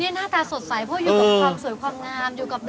นี่น่าจะสดใสเพราะอยู่กับ